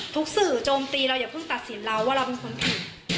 สื่อโจมตีเราอย่าเพิ่งตัดสินเราว่าเราเป็นคนผิด